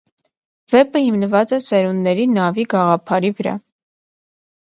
Վեպը հիմնված է սերունդների նավի գաղափարի վրա։